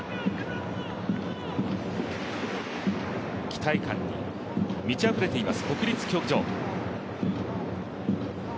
期待感に満ちあふれています、国立競技場。